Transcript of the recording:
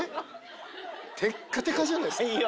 テッカテカじゃないですか。